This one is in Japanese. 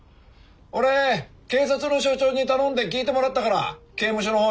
俺警察の署長に頼んで聞いてもらったから刑務所の方に。